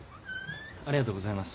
ありがとうございます。